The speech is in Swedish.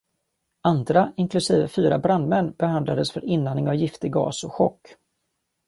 Andra, inklusive fyra brandmän, behandlades för inandning av giftig gas och chock.